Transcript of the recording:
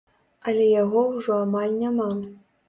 Але яго ўжо амаль няма.